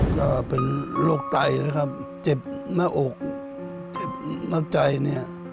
ก็เป็นโรคไตนะครับเจ็บหน้าอกเจ็บนอกใจเนี่ย